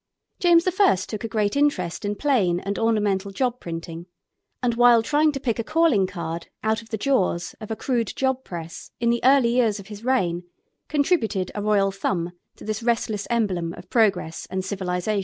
James I. took a great interest in plain and ornamental job printing, and while trying to pick a calling card out of the jaws of a crude job press in the early years of his reign, contributed a royal thumb to this restless emblem of progress and civilization.